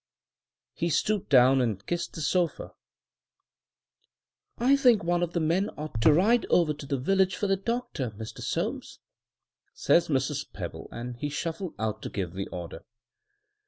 He stooped down and kissed the sofa. "I think one of the men ought to ride over to the village for the doctor, Mr. Soames," says Mrs. Pebble; and he shuffled out to give the order.